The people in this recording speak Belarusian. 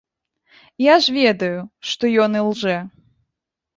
Я ж ведаю, што ён ілжэ.